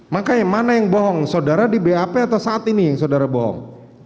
makanya mana yang bohong saudara di bap atau saat ini yang saudara bohong